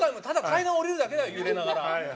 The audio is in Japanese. ただ階段を下りるだけだよ揺れながら。